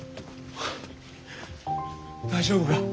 大丈夫が！？